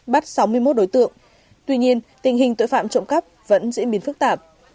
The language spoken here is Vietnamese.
bắt sáu mươi một đối tượng tuy nhiên tình hình tội phạm trộm cắp vẫn diễn biến phức tạp